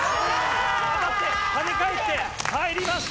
当たって跳ね返って入りました！